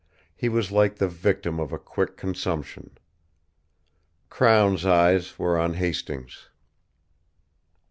He was like the victim of a quick consumption. Crown's eyes were on Hastings.